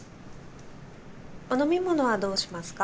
お飲み物はどうしますか？